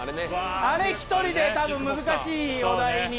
あれ１人で多分難しいお題に。